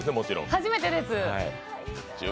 初めてです。